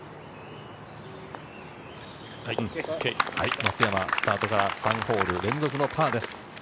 松山、スタートから３ホール連続のパーです。